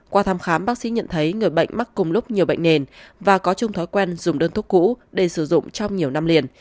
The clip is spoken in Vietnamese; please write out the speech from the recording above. qua thăm khám bác sĩ nhận thấy người bệnh mắc cùng lúc nhiều bệnh nền và có chung thói quen dùng đơn thuốc cũ để sử dụng trong nhiều năm liền